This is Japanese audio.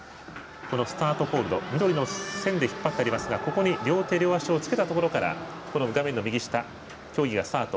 このスタートホールド緑の線で引っ張ってありますがここに両手両足をつけたところから競技がスタート。